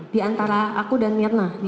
di antara aku dan mirna